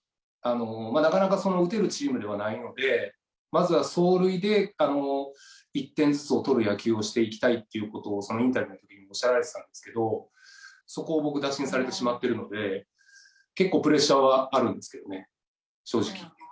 なかなか打てるチームではないので、まずは走塁で１点ずつを取る野球をしていきたいということを、そのインタビューのときにおっしゃられてたんですけど、そこを僕、打診されてしまってるので、結構、プレッシャーはあるんですけどね、正直。